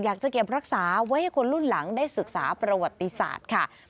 อยากจะเก็บรักษาไว้ให้คนรุ่นหลังได้ศึกษาประวัติศาสตร์ค่ะ